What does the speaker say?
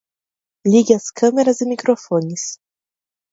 Ligue as câmeras e microfones